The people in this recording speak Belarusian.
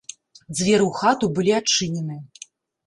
Дзверы ў хату былі адчынены.